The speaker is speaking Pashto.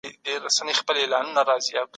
شفافیت د باور لامل کېږي.